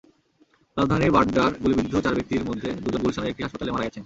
রাজধানীর বাড্ডার গুলিবিদ্ধ চার ব্যক্তির মধ্যে দুজন গুলশানের একটি হাসপাতালে মারা গেছেন।